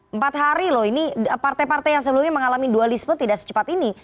empat hari loh ini partai partai yang sebelumnya mengalami dualisme tidak secepat ini